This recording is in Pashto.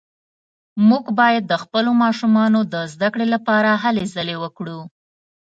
موږ باید د خپلو ماشومانو د زده کړې لپاره هلې ځلې وکړو